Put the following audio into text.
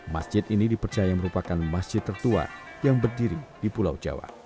masjid ini dipercaya merupakan masjid tertua yang berdiri di pulau jawa